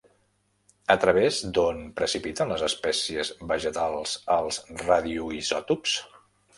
A través d'on precipiten les espècies vegetals els radioisòtops?